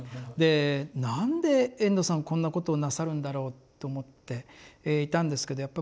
で何で遠藤さんはこんなことをなさるんだろうと思っていたんですけど